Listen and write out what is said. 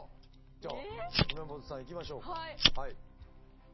じゃあゆめぽてさんいきましょうか。